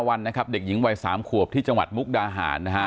วันนะครับเด็กหญิงวัย๓ขวบที่จังหวัดมุกดาหารนะฮะ